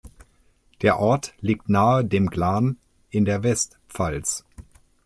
Der Ort liegt nahe dem Glan in der Westpfalz.